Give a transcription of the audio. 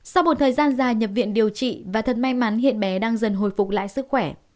sau một thời gian dài nhập viện điều trị và thật may mắn hiện bé đang dần hồi phục lại sức khỏe